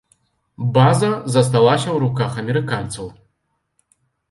База засталася ў руках амерыканцаў.